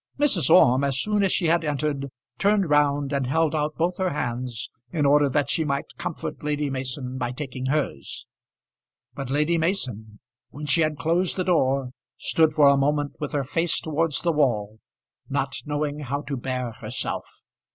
Mrs. Orme, as soon as she had entered, turned round and held out both her hands in order that she might comfort Lady Mason by taking hers; but Lady Mason, when she had closed the door, stood for a moment with her face towards the wall, not knowing how to bear herself.